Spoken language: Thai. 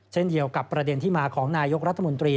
เช่นเดียวกับประเด็นที่มาของนายกรัฐมนตรี